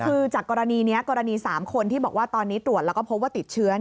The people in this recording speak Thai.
คือจากกรณีนี้กรณี๓คนที่บอกว่าตอนนี้ตรวจแล้วก็พบว่าติดเชื้อ